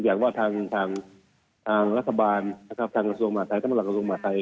อย่างว่าทางรัฐบาลทางอัศวงศ์หมาไทยธรรมหลักอัศวงศ์หมาไทย